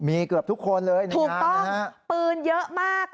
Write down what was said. มีเกือบทุกคนเลยนะถูกต้องปืนเยอะมาก